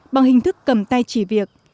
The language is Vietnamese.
bằng hình thức cầm tay chỉ việc